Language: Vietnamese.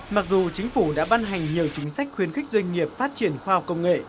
mặc dù chính phủ đã ban hành nhiều chính sách khuyến khích doanh nghiệp phát triển khoa học công nghệ